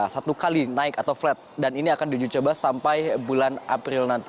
satu kali naik atau flat dan ini akan dijucoba sampai bulan april nanti